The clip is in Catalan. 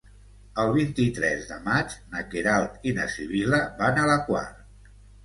El vint-i-tres de maig na Queralt i na Sibil·la van a la Quar.